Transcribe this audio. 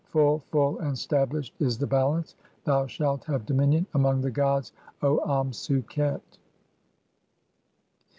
Full, full, "and stablished is the Balance. Thou shalt have dominion among "the gods, O Amsu qet."